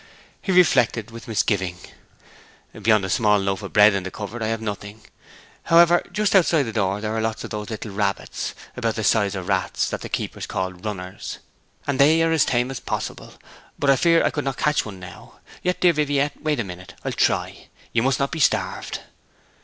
He reflected with misgiving. 'Beyond a small loaf of bread in the cupboard I have nothing. However, just outside the door there are lots of those little rabbits, about the size of rats, that the keepers call runners. And they are as tame as possible. But I fear I could not catch one now. Yet, dear Viviette, wait a minute; I'll try. You must not be starved.'